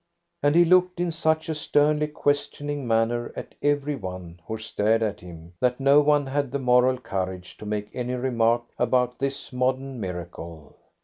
And he looked in such a sternly questioning manner at every one who stared at him, that no one had the moral courage to make any remark about this modern miracle.